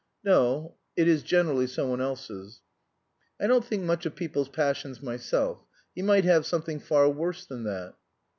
"No; it is generally some one else's." "I don't think much of people's passions myself. He might have something far worse than that."